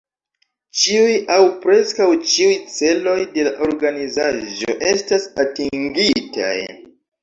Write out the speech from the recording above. Ĉiuj aŭ preskaŭ ĉiuj celoj de la organizaĵo estas atingitaj.